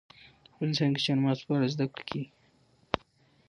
افغانستان کې د چار مغز په اړه زده کړه کېږي.